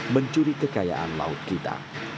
mencuri kekayaan laut kita